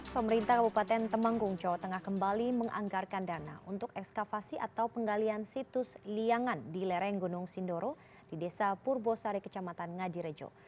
pemerintah kabupaten temanggung jawa tengah kembali menganggarkan dana untuk ekskavasi atau penggalian situs liangan di lereng gunung sindoro di desa purbosari kecamatan ngadirejo